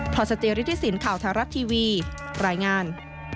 พศฤทธิสินทร์ข่าวทารัพย์ทีวีรายงาน